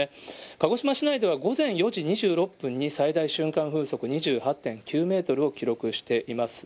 鹿児島市内では、午前４時２６分に、最大瞬間風速２８．９メートルを記録しています。